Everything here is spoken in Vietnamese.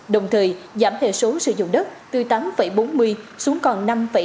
đồng thời giảm hệ số sử dụng đất từ tám bốn mươi xuống còn năm tám mươi năm